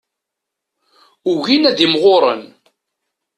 Ugin ad imɣuren.